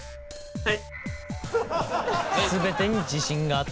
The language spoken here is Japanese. はい。